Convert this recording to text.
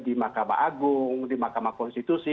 di mahkamah agung di mahkamah konstitusi